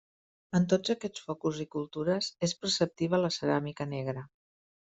En tots aquests focus i cultures és preceptiva la ceràmica negra.